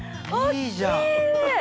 いいじゃん。